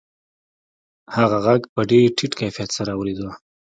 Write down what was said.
هغه غږ په ډېر ټیټ کیفیت سره اورېده